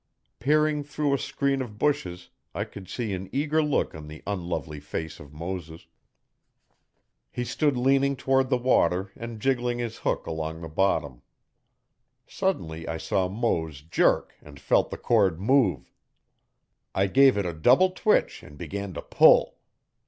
Peering through a screen of bushes I could see an eager look on the unlovely face of Moses. He stood leaning toward the water and jiggling his hook along the bottom. Suddenly I saw Mose jerk and felt the cord move. I gave it a double twitch and began to pull.